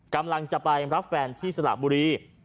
กำลังจะไปรับแฟนที่สระบุรี